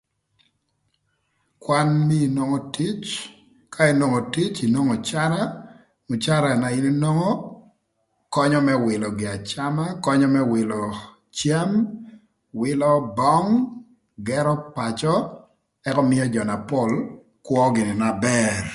Kwan mii inwongo tic ka inongo tic inongo öcara, öcara na in inongo könyö më wïlö gin acama könyö më wïlö cam, wïlö köm, gërö pacö ëka ömïö jö na pol kwö gïnï na bër.